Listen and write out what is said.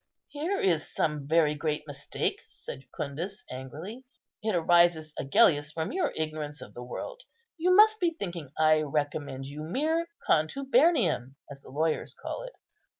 "Here is some very great mistake," said Jucundus, angrily; "it arises, Agellius, from your ignorance of the world. You must be thinking I recommend you mere contubernium, as the lawyers call it.